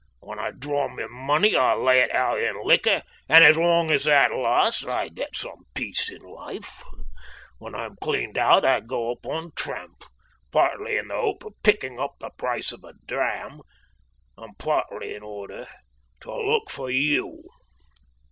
When I draw my money I lay it out in liquor, and as long as that lasts I get some peace in life. When I'm cleaned out I go upon tramp, partly in the hope of picking up the price of a dram, and partly in order to look for you."